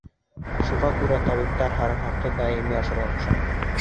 Шуға күрә табиптар һарымһаҡты даими ашарға ҡуша.